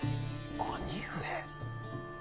兄上。